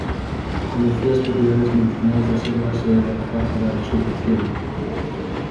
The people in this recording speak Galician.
Coñecía as propiedades medicinais das herbas e era capaz da resurrección.